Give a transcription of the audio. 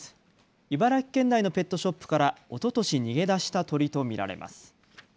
茨城県内のペットショップからおととし逃げ出した鳥と見られます。